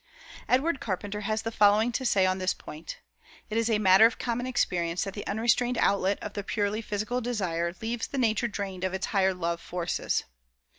Edward Carpenter has the following to say on this point: "It is a matter of common experience that the unrestrained outlet of the purely physical desire leaves the nature drained of its higher love forces.